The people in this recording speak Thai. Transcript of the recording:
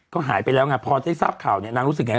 ก็หายไปแล้วไงพอได้ทราบข่าวเนี่ยนางรู้สึกไง